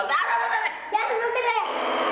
wah bagus sekali